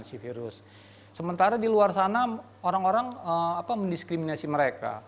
sementara di luar sana orang orang mendiskriminasi mereka